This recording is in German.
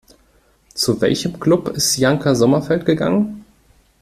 Zu welchem Club ist Janka Sommerfeld gegangen?